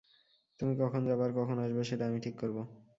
তুমি কখন যাবা আর কখন আসবা সেটা আমি ঠিক করবো।